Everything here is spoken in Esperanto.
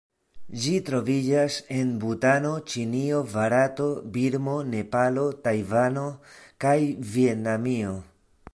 Ĝi troviĝas en Butano, Ĉinio, Barato, Birmo, Nepalo, Tajvano kaj Vjetnamio.